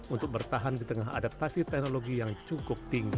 untuk bertahan di tengah adaptasi teknologi yang cukup tinggi